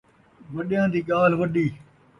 وݙیاں دی ڳالھ وݙی